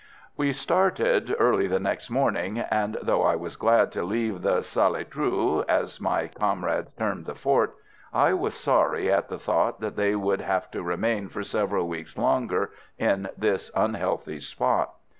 We started early the next morning, and though I was glad to leave the "Sale trou," as my comrades termed the fort, I was sorry at the thought that they would have to remain for several weeks longer in this unhealthy spot.